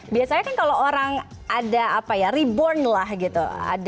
biasanya kan kalau orang ada apa ya reborn lah gitu